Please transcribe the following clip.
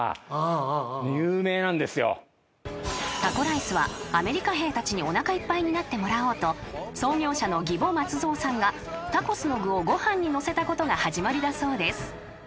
［タコライスはアメリカ兵たちにおなかいっぱいになってもらおうと創業者の儀保松三さんがタコスの具をご飯にのせたことが始まりだそうです］